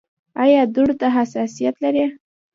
ایا دوړو ته حساسیت لرئ؟